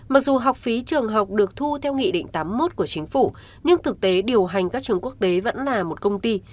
mặc dù học phí trường học được thu theo nghị định tám mươi một của chính phủ nhưng thực tế điều hành các trường quốc tế vẫn là một công ty